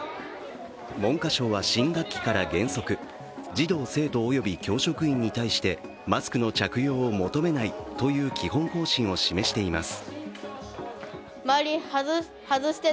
文科省は新学期から原則、児童・生徒及び教職員に対してマスクの着用を求めないという基本方針を示しています。